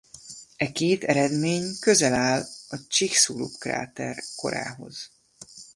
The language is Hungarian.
E két eredmény közel áll a Chicxulub-kráter korához.